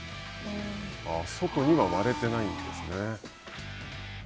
外には割れてないんですね。